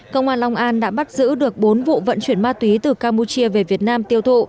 công an long an đã bắt giữ được bốn vụ vận chuyển ma túy từ campuchia về việt nam tiêu thụ